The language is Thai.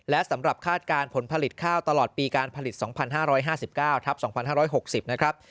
และสำหรับคาดการณ์ผลผลิตข้าวตลอดปีการผลิต๒๕๕๙ทับ๒๕๖๐นะครับ